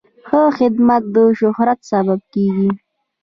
ښه خدمت د شهرت سبب کېږي.